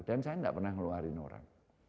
dan saya enggak pernah ngeluarin orang